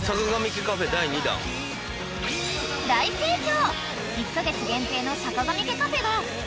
［大盛況！］